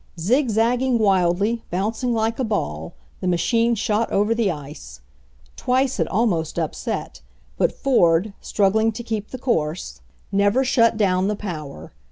Zig zagging wildly, bouncing like a ball, the machine shot over the ice. Twice it almost upset, but Ford, struggling to keep the course, never shut 126 HENRY FORD'S OWN STORY down the power.